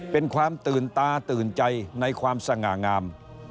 เป็นความตื่นตาตื่นใจในความสง่างาม